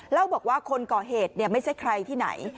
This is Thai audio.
เล่าบอกว่าคนก่อเหตุไม่ใช่ใครที่ไหน